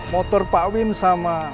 motor pak wim sama